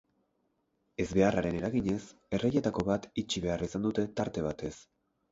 Ezbeharraren eraginez, erreietako bat itxi behar izan dute tarte batez.